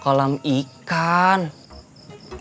kolam benang yang ada itu